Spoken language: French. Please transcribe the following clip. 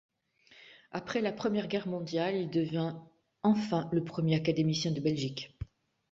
Après la Première Guerre mondiale, il devient enfin le premier académicien de Belgique.